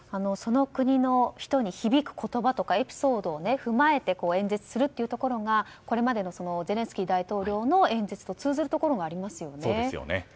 その国の人に響く言葉とかエピソードを踏まえて、演説するところがこれまでのゼレンスキー大統領の演説と通ずるところもありますね。